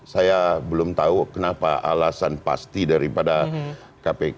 saya belum tahu kenapa alasan pasti daripada kpk